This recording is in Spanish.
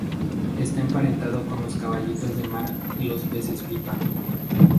Está emparentado con los caballitos de mar y los peces pipa.